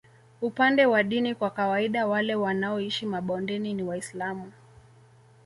Upande wa dini kwa kawaida wale wanaoishi mabondeni ni Waislamu